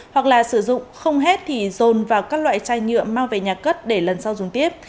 hoặc là sử dụng không hết thì dồn vào các loại chai nhựa mang về nhà cất để lần sau dùng tiếp